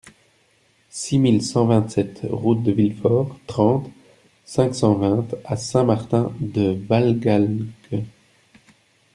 six mille cent vingt-sept route de Villefort, trente, cinq cent vingt à Saint-Martin-de-Valgalgues